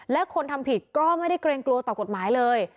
และคนทำผิดก็ไม่ได้เกรงกลัวต่อกฎหมายเลย